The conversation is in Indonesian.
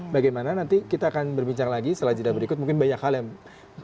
bagaimana nanti kita akan berbincang lagi setelah jeda berikut mungkin banyak hal yang menarik